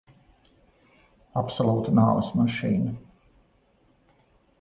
Absolūta nāves mašīna.